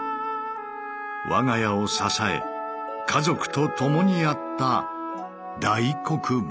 我が家を支え家族と共にあった大黒柱。